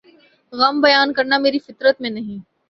غم بیان کرنا میری فطرت میں نہیں